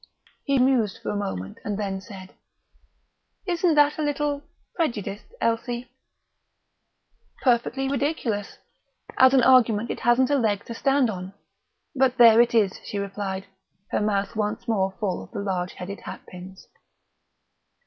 He mused for a moment, and then said: "Isn't that a little prejudiced, Elsie?" "Perfectly ridiculous. As an argument it hasn't a leg to stand on. But there it is," she replied, her mouth once more full of the large headed hat pins.